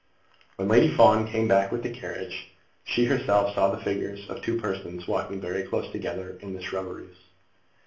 When Lady Fawn came back with the carriage, she herself saw the figures of two persons, walking very close together, in the shrubberies.